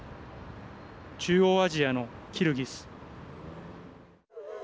中央アジアのキルギス。